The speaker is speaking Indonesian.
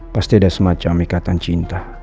pasti ada semacam ikatan cinta